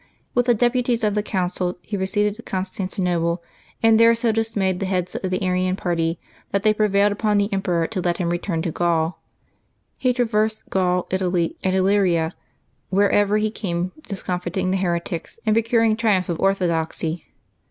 With the deputies of the council he proceeded to Constantinople, and there so dismayed the heads of the Arian party that they prevailed upon the emperor to let him return to Gaul. He traversed Gaul, Italy, and Illyria, wherever he came discomfiting the heretics and procuring triumph of ortho doxy.